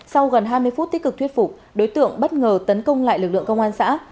sau gần hai mươi phút tích cực thuyết phục đối tượng bất ngờ tấn công lại lực lượng công an xã